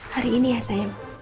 hari ini ya sayang